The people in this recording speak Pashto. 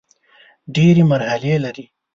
ډېري مرحلې لري .